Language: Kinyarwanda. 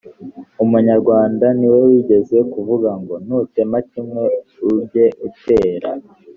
umunyarwanda ni we wigeze kuvuga ngo nutema kimwe uge utera